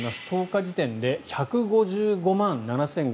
１０日時点で１５５万７５５５人。